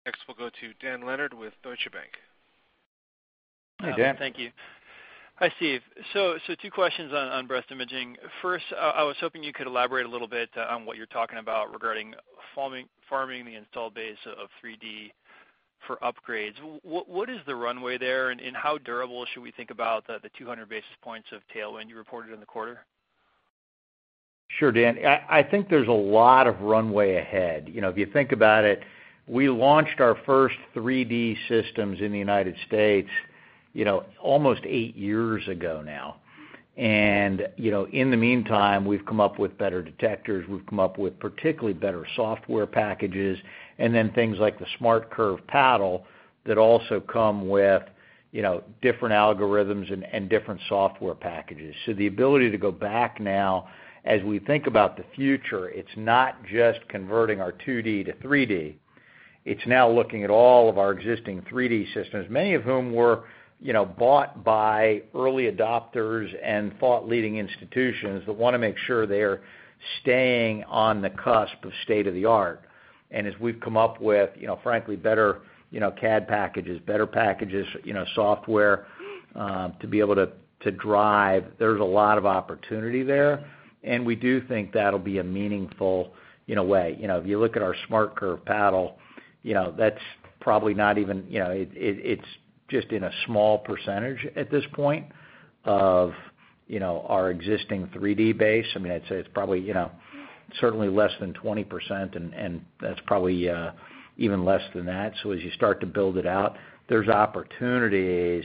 Next, we'll go to Dan Leonard with Deutsche Bank. Hey, Dan. Thank you. Hi, Steve. Two questions on breast imaging. First, I was hoping you could elaborate a little bit on what you're talking about regarding farming the install base of 3D for upgrades. What is the runway there, and how durable should we think about the 200 basis points of tailwind you reported in the quarter? Sure, Dan. I think there's a lot of runway ahead. If you think about it, we launched our first 3D systems in the United States almost eight years ago now. In the meantime, we've come up with better detectors. We've come up with particularly better software packages and then things like the SmartCurve paddle that also come with different algorithms and different software packages. The ability to go back now as we think about the future, it's not just converting our 2D to 3D. It's now looking at all of our existing 3D systems, many of whom were bought by early adopters and thought leading institutions that want to make sure they are staying on the cusp of state-of-the-art. And as we've come up with frankly, better CAD packages, better packages, software to be able to drive, there's a lot of opportunity there, and we do think that'll be a meaningful way. If you look at our SmartCurve paddle, it's just in a small percentage at this point of our existing 3D base. I'd say it's probably certainly less than 20%, and that's probably even less than that. As you start to build it out, there's opportunities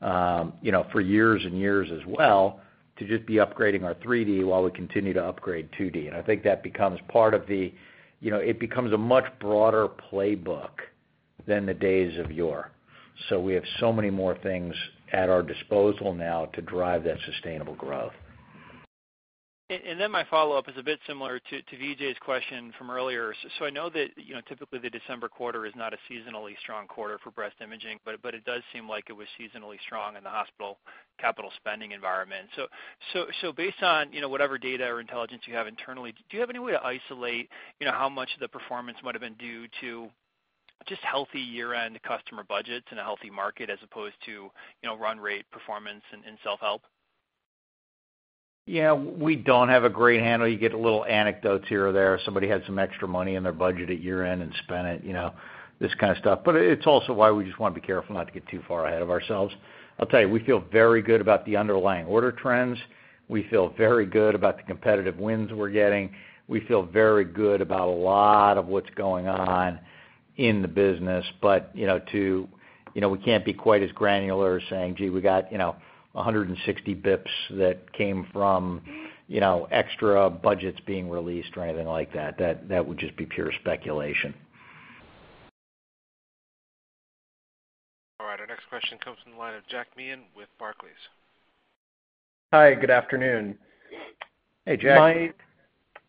for years and years as well to just be upgrading our 3D while we continue to upgrade 2D. I think it becomes a much broader playbook than the days of yore. We have so many more things at our disposal now to drive that sustainable growth. My follow-up is a bit similar to Vijay's question from earlier. I know that typically the December quarter is not a seasonally strong quarter for breast imaging, but it does seem like it was seasonally strong in the hospital capital spending environment. Based on whatever data or intelligence you have internally, do you have any way to isolate how much of the performance might have been due to just healthy year-end customer budgets and a healthy market as opposed to run rate performance and self-help? Yeah. We don't have a great handle. You get little anecdotes here or there. Somebody had some extra money in their budget at year-end and spent it, this kind of stuff. It's also why we just want to be careful not to get too far ahead of ourselves. I'll tell you, we feel very good about the underlying order trends. We feel very good about the competitive wins we're getting. We feel very good about a lot of what's going on in the business. We can't be quite as granular as saying, "Gee, we got 160 basis points that came from extra budgets being released," or anything like that. That would just be pure speculation. All right. Our next question comes from the line of Jack Meehan with Barclays. Hi, good afternoon. Hey, Jack.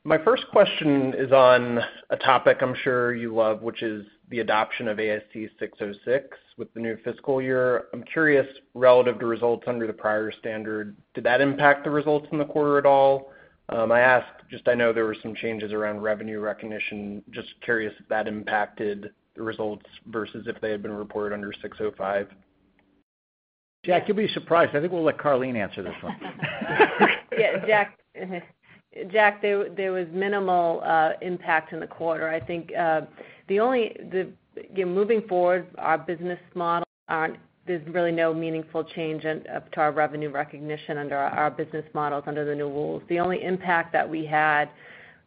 My first question is on a topic I'm sure you love, which is the adoption of ASC 606 with the new fiscal year. I'm curious, relative to results under the prior standard, did that impact the results in the quarter at all? I ask, just I know there were some changes around revenue recognition. Just curious if that impacted the results versus if they had been reported under 605. Jack, you'll be surprised. I think we'll let Karleen answer this one. Yeah, Jack. There was minimal impact in the quarter. I think, moving forward, our business model, there's really no meaningful change to our revenue recognition under our business models under the new rules. The only impact that we had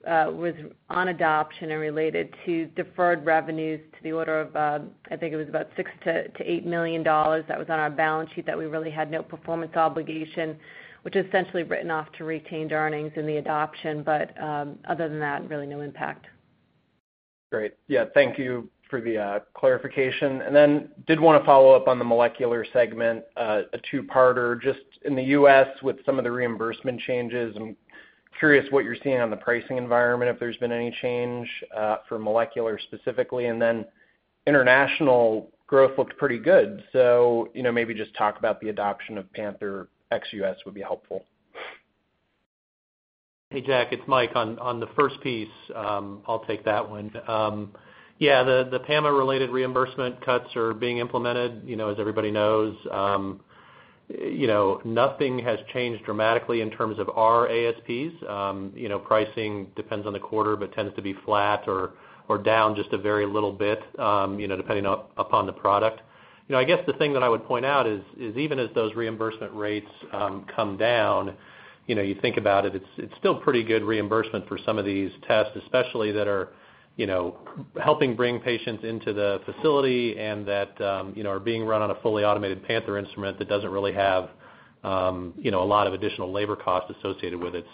was on adoption and related to deferred revenues to the order of, I think it was about $6 million-$8 million that was on our balance sheet that we really had no performance obligation, which is essentially written off to retained earnings in the adoption. Other than that, really no impact. Great. Yeah, thank you for the clarification. Did want to follow up on the Molecular segment, a two-parter. Just in the U.S. with some of the reimbursement changes, I'm curious what you're seeing on the pricing environment, if there's been any change for molecular specifically. International growth looked pretty good. Maybe just talk about the adoption of Panther ex US would be helpful. Hey, Jack, it's Mike. On the first piece, I'll take that one. Yeah, the PAMA related reimbursement cuts are being implemented, as everybody knows. Nothing has changed dramatically in terms of our ASPs. Pricing depends on the quarter, tends to be flat or down just a very little bit, depending upon the product. I guess the thing that I would point out is even as those reimbursement rates come down, you think about it's still pretty good reimbursement for some of these tests, especially that are helping bring patients into the facility and that are being run on a fully automated Panther instrument that doesn't really have a lot of additional labor costs associated with it.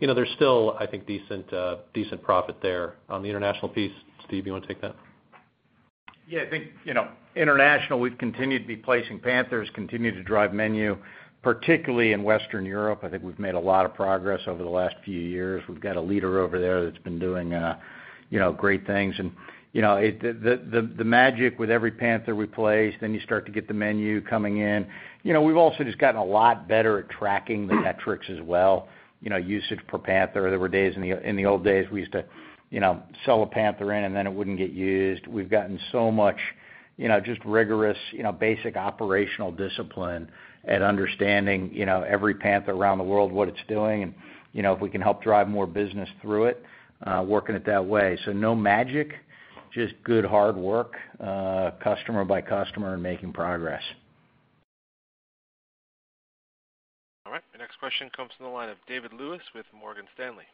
There's still, I think, decent profit there. On the International piece, Steve, you want to take that? Yeah, I think, International, we've continued to be placing Panthers, continued to drive menu, particularly in Western Europe. I think we've made a lot of progress over the last few years. We've got a leader over there that's been doing great things. The magic with every Panther we place, then you start to get the menu coming in. We've also just gotten a lot better at tracking the metrics as well, usage per Panther. There were days in the old days, we used to sell a Panther in and then it wouldn't get used. We've gotten so much just rigorous, basic operational discipline at understanding every Panther around the world, what it's doing, and if we can help drive more business through it, working it that way. No magic, just good hard work customer by customer and making progress. All right, the next question comes from the line of David Lewis with Morgan Stanley.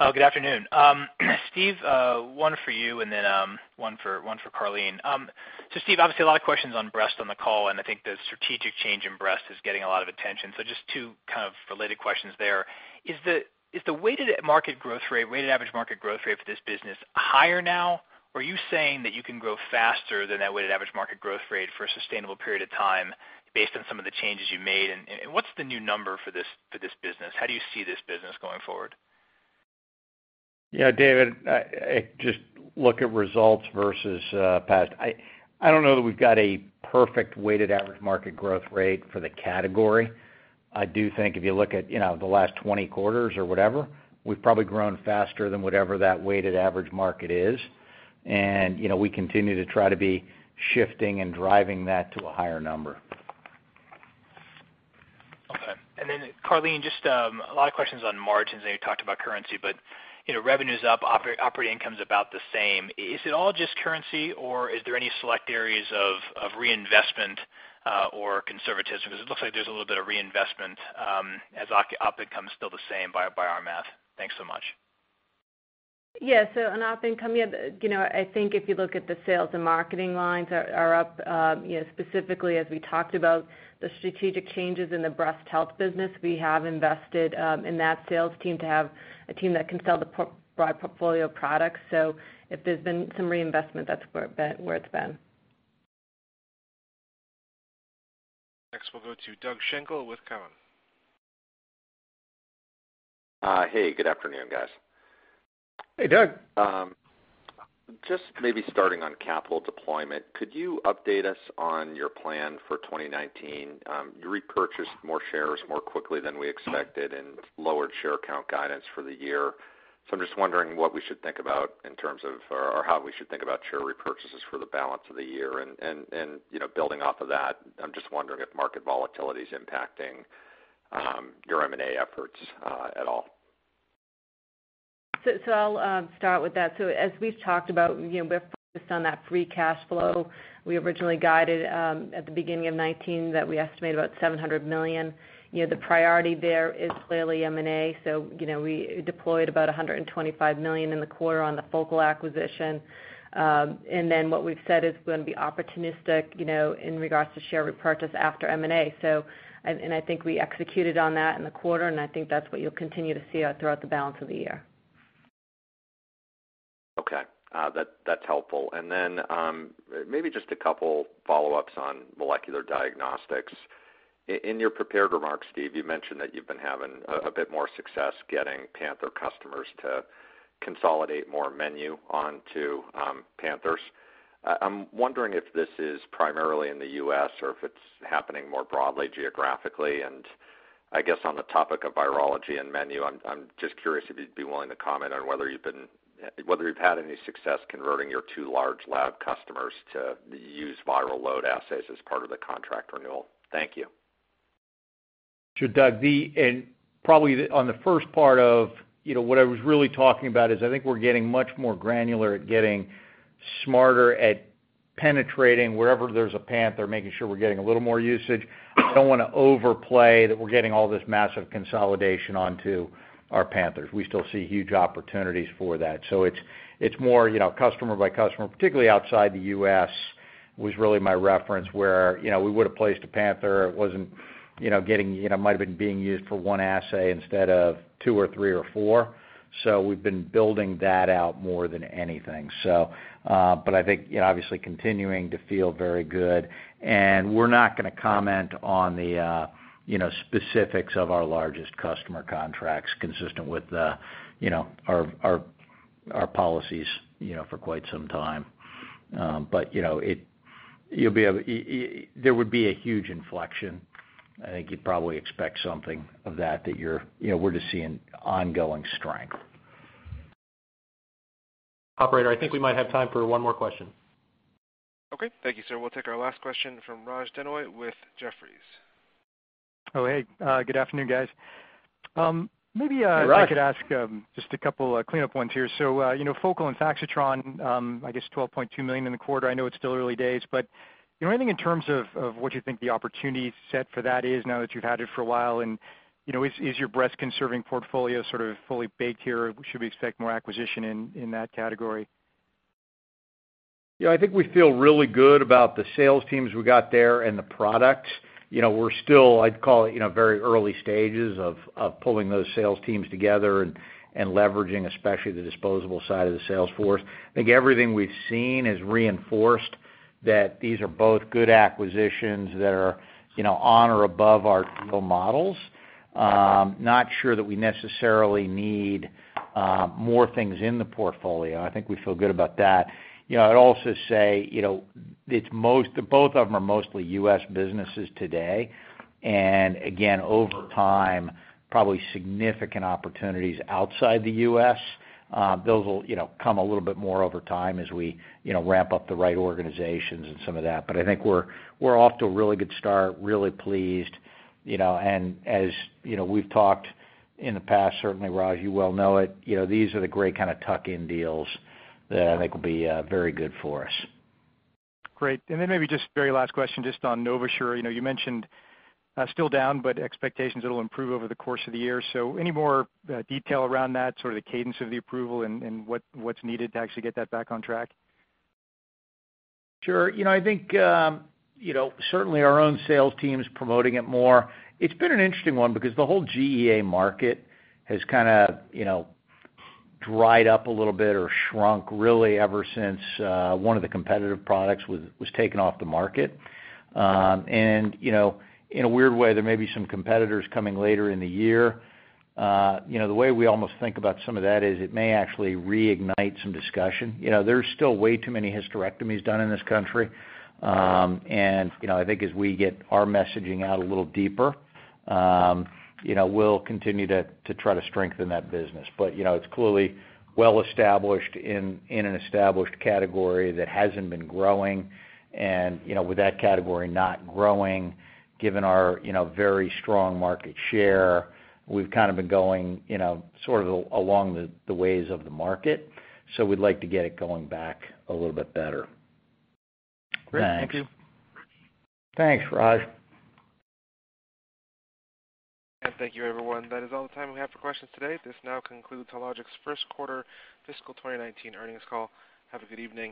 Good afternoon. Steve, one for you and then one for Karleen. Steve, obviously a lot of questions on breast on the call, and I think the strategic change in breast is getting a lot of attention. Just two kind of related questions there. Is the weighted average market growth rate for this business higher now? Or are you saying that you can grow faster than that weighted average market growth rate for a sustainable period of time based on some of the changes you made? What's the new number for this business? How do you see this business going forward? David, just look at results versus past. I don't know that we've got a perfect weighted average market growth rate for the category. I do think if you look at the last 20 quarters or whatever, we've probably grown faster than whatever that weighted average market is. We continue to try to be shifting and driving that to a higher number. Okay. Then Karleen, just a lot of questions on margins. I know you talked about currency, revenue's up, operating income's about the same. Is it all just currency or is there any select areas of reinvestment or conservatism? Because it looks like there's a little bit of reinvestment as op income's still the same by our math. Thanks so much. Yeah. On op income, I think if you look at the sales and marketing lines are up, specifically as we talked about the strategic changes in the Breast Health business. We have invested in that sales team to have a team that can sell the broad portfolio of products. If there's been some reinvestment, that's where it's been. Next, we'll go to Doug Schenkel with Cowen. Hey, good afternoon, guys. Hey, Doug. Just maybe starting on capital deployment, could you update us on your plan for 2019? You repurchased more shares more quickly than we expected and lowered share count guidance for the year. I'm just wondering what we should think about in terms of, or how we should think about share repurchases for the balance of the year. Building off of that, I'm just wondering if market volatility is impacting your M&A efforts at all. I'll start with that. As we've talked about, we're focused on that free cash flow. We originally guided at the beginning of 2019 that we estimate about $700 million. The priority there is clearly M&A. We deployed about $125 million in the quarter on the Focal acquisition. What we've said is we're going to be opportunistic in regards to share repurchase after M&A. I think we executed on that in the quarter, and I think that's what you'll continue to see throughout the balance of the year. Okay. That's helpful. And then Maybe just a couple follow-ups on Molecular Diagnostics. In your prepared remarks, Steve, you mentioned that you've been having a bit more success getting Panther customers to consolidate more menu onto Panthers. I'm wondering if this is primarily in the U.S. or if it's happening more broadly geographically. I guess on the topic of virology and menu, I'm just curious if you'd be willing to comment on whether you've had any success converting your two large lab customers to use viral load assays as part of the contract renewal. Thank you. Sure, Doug. Probably on the first part of what I was really talking about is I think we're getting much more granular at getting smarter at penetrating wherever there's a Panther, making sure we're getting a little more usage. I don't want to overplay that we're getting all this massive consolidation onto our Panthers. We still see huge opportunities for that. It's more customer by customer, particularly outside the U.S., was really my reference where we would've placed a Panther. It might've been being used for one assay instead of two or three or four. We've been building that out more than anything. I think obviously continuing to feel very good. We're not going to comment on the specifics of our largest customer contracts consistent with our policies for quite some time. There would be a huge inflection. I think you'd probably expect something of that. We're just seeing ongoing strength. Operator, I think we might have time for one more question. Okay. Thank you, sir. We'll take our last question from Raj Denhoy with Jefferies. Oh, hey. Good afternoon, guys. Hey, Raj. Maybe I could ask just a couple cleanup ones here. Focal and Faxitron, I guess $12.2 million in the quarter. I know it's still early days, but anything in terms of what you think the opportunity set for that is now that you've had it for a while, and is your breast conserving portfolio sort of fully baked here? Should we expect more acquisition in that category? I think we feel really good about the sales teams we got there and the products. We're still, I'd call it, very early stages of pulling those sales teams together and leveraging especially the disposable side of the sales force. I think everything we've seen has reinforced that these are both good acquisitions that are on or above our deal models. Not sure that we necessarily need more things in the portfolio. I think we feel good about that. I'd also say, both of them are mostly US businesses today. Again, over time, probably significant opportunities outside the U.S. Those will come a little bit more over time as we ramp up the right organizations and some of that. I think we're off to a really good start, really pleased. As we've talked in the past, certainly, Raj, you well know it, these are the great kind of tuck-in deals that I think will be very good for us. Then maybe just very last question just on NovaSure. You mentioned still down, but expectations it'll improve over the course of the year. Any more detail around that, sort of the cadence of the improvement and what's needed to actually get that back on track? Sure. I think, certainly our own sales team is promoting it more. It's been an interesting one because the whole GEA market has kind of dried up a little bit or shrunk really ever since one of the competitive products was taken off the market. In a weird way, there may be some competitors coming later in the year. The way we almost think about some of that is it may actually reignite some discussion. There's still way too many hysterectomies done in this country. I think as we get our messaging out a little deeper, we'll continue to try to strengthen that business. It's clearly well-established in an established category that hasn't been growing. With that category not growing, given our very strong market share, we've kind of been going sort of along the ways of the market. We'd like to get it going back a little bit better. Great. Thank you. Thanks. Thanks, Raj. Thank you, everyone. That is all the time we have for questions today. This now concludes Hologic's First Quarter Fiscal 2019 Earnings Call. Have a good evening.